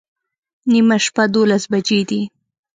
نیمه شپه دوولس بجې دي